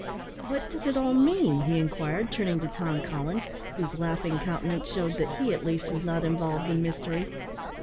"What does it all mean?" he inquired, turning to Tom Coffins, whose laughing countenance shewed that he at least was not involved in mystery.